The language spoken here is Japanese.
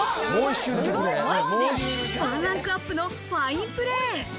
ワンランクアップのファインプレー。